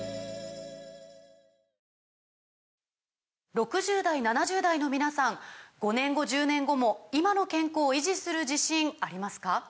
６０代７０代の皆さん５年後１０年後も今の健康維持する自信ありますか？